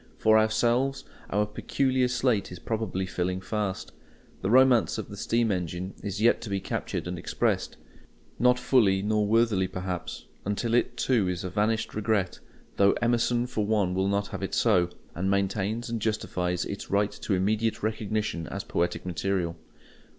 For ourselves, our peculiar slate is probably filling fast. The romance of the steam engine is yet to be captured and expressed—not fully nor worthily, perhaps, until it too is a vanished regret; though Emerson for one will not have it so, and maintains and justifies its right to immediate recognition as poetic material.